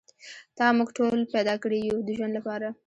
تا موږ ټول پیدا کړي یو د ژوند لپاره.